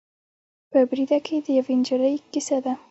په بریده کې د یوې نجلۍ کیسه ده.